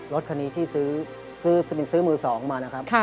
รถคันนี้ที่ซื้อบินซื้อมือ๒มานะครับ